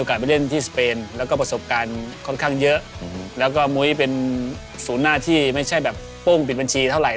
ไปเล่นที่สเปนแล้วก็ประสบการณ์ค่อนข้างเยอะแล้วก็มุ้ยเป็นศูนย์หน้าที่ไม่ใช่แบบโป้งปิดบัญชีเท่าไหร